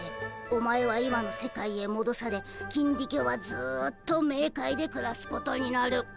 お前は今の世界へもどされキンディケはずっとメーカイでくらすことになる。